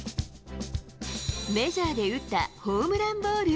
メジャーで打ったホームランボール。